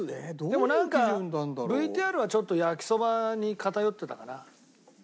でもなんかＶＴＲはちょっと焼きそばに偏ってたかな。